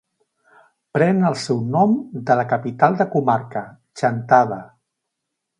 Pren el seu nom de la capital de comarca, Chantada.